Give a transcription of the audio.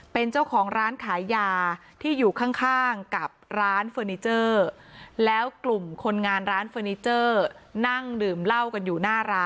เป็นเจ้าของร้านขายยาที่อยู่ข้างข้างกับร้านเฟอร์นิเจอร์